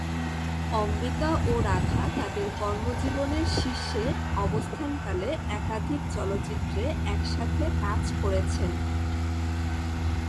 অম্বিকা ও রাধা তাদের কর্মজীবনের শীর্ষে অবস্থান কালে একাধিক চলচ্চিত্রে একসাথে কাজ করেছেন।